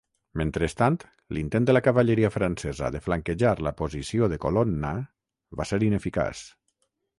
Mentrestant, l'intent de la cavalleria francesa de flanquejar la posició de Colonna va ser ineficaç.